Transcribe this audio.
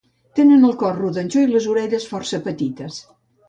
Tenen el cos rodanxó i les orelles força petites.